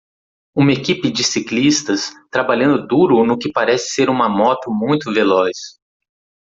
Uma equipe de ciclistas trabalhando duro no que parece ser uma moto muito veloz.